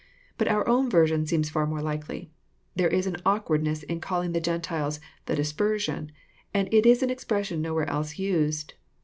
But our own version seems far more likely. There is an awkwardness in calling the Gentiles '* the dispersion," and it is an expression nowhere else used.